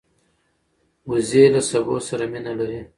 وزې له سبو سره مینه لري